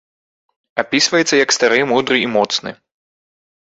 Апісваецца як стары, мудры і моцны.